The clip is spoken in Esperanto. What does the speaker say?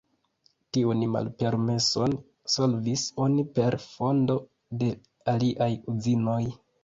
Tiun malpermeson solvis oni per fondo de aliaj uzinoj.